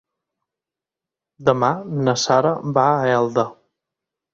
Demà na Sara va a Elda.